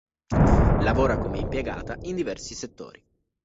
Lavora come impiegata in diversi settori.